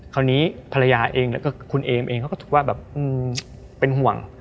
คราวนี้ภรรยาเองแล้วก็คุณเอมเองเขาก็ถือว่าแบบเป็นห่วง